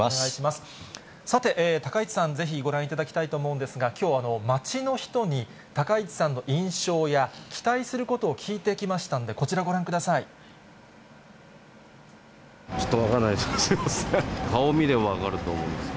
さて、高市さん、ぜひご覧いただきたいと思うんですが、きょう、街の人に高市さんの印象や期待することを聞いてきましたんで、ちょっと分からないです、すみません。